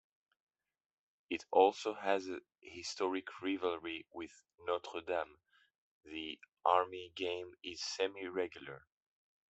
It also has a historic rivalry with Notre Dame; the Army game is semi-regular.